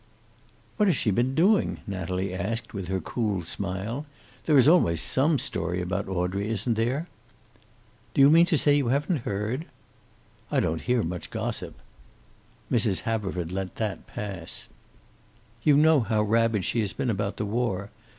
"What has she been doing?" Natalie asked, with her cool smile. "There is always some story about Audrey, isn't there?" "Do you mean to say you haven't heard?" "I don't hear much gossip." Mrs. Haverford let that pass. "You know how rabid she has been about the war.